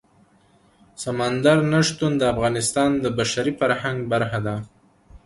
سمندر نه شتون د افغانستان د بشري فرهنګ برخه ده.